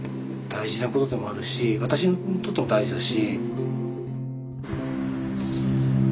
私にとっても大事だし。